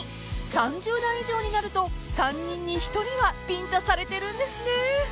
［３０代以上になると３人に１人はビンタされてるんですね］